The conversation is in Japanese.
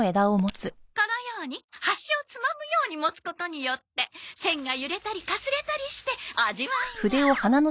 このように端をつまむように持つことによって線が揺れたりかすれたりして味わいが。